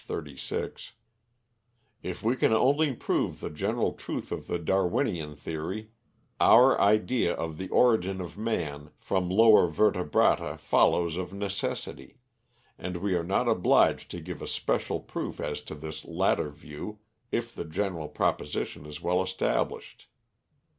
36): "If we can only prove the general truth of the Darwinian theory, our idea of the origin of man from lower vertebrata follows of necessity, and we are not obliged to give a special proof as to this latter view if the general proposition is well established."